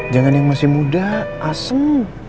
jangan yang masih muda asem